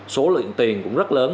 số lượng tiền cũng rất lớn